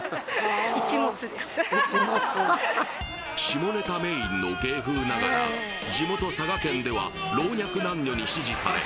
下ネタメインの芸風ながら地元・佐賀県では老若男女に支持され